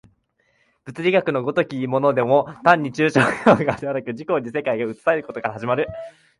物理学の如きものでも単に抽象論理からではなく、自己に世界が映されることから始まる。